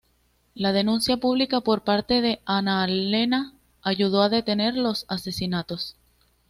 La denuncia pública por parte de Annalena ayudó a detener los asesinatos.